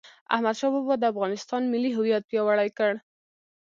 احمدشاه بابا د افغانستان ملي هویت پیاوړی کړ..